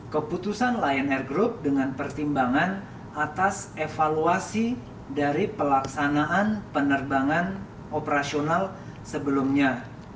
keputusan lion air group dengan pertimbangan atas evaluasi dari pelaksanaan penerbangan operasional sebelumnya